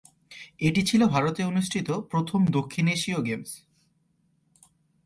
এটি ছিল ভারতে অনুষ্ঠিত প্রথম দক্ষিণ এশীয় গেমস।